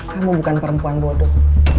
kamu bukan perempuan bodoh